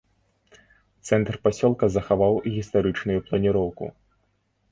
Цэнтр пасёлка захаваў гістарычную планіроўку.